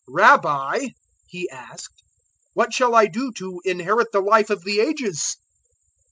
"Rabbi," he asked, "what shall I do to inherit the Life of the Ages?"